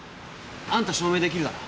あんた証明できるだろ？